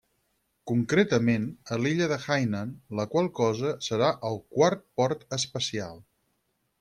Concretament, a l'illa de Hainan, la qual cosa serà el quart port espacial.